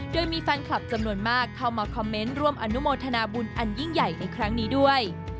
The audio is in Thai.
โดยมีแฟนคลับจำนวนมากเข้ามาคอมเมนต์ร่วมอนุโมทนาบุญอันยิ่งใหญ่ในครั้งนี้ด้วย